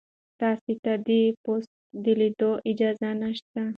تاسي ته د دې پوسټ د لیدو اجازه نشته.